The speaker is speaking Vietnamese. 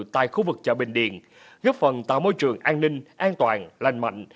tại khu vực chợ bình điện góp phần tạo môi trường an ninh an toàn lành mạnh